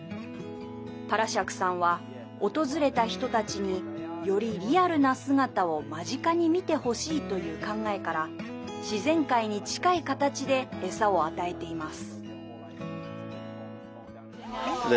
パラシャクさんは訪れた人たちによりリアルな姿を間近に見てほしいという考えから自然界に近い形で餌を与えています。